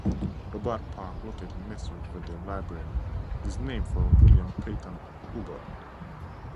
Hubbard Park located next to Riverdale Library is named for William Peyton Hubbard.